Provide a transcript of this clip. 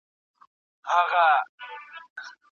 که زده کوونکی تېروتنه وکړي نو باید وبخښل سي.